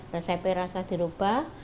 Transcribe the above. resepnya rasa dirubah